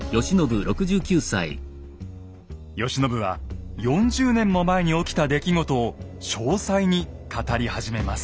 慶喜は４０年も前に起きた出来事を詳細に語り始めます。